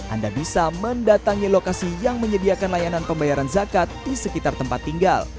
anda bisa mendatangi lokasi yang menyediakan layanan pembayaran zakat di sekitar tempat tinggal